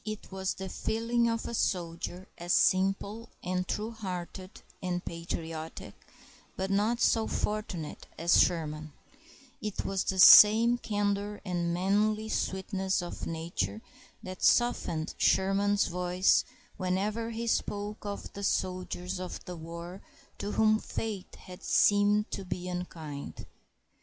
It was the feeling of a soldier as simple and true hearted and patriotic, but not so fortunate, as Sherman; and it was the same candor and manly sweetness of nature that softened Sherman's voice whenever he spoke of the soldiers of the war to whom fate had seemed to be unkind.